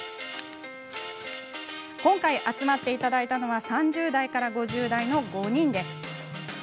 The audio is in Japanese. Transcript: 今回、集まっていただいたのは３０代から５０代の５人。